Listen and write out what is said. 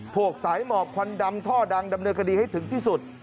สายหมอบควันดำท่อดังดำเนินคดีให้ถึงที่สุด